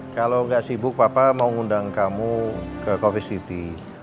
kalau nggak sibuk papa mau ngundang kamu ke coffee city